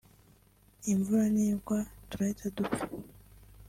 imvura nigwa turahita dupfa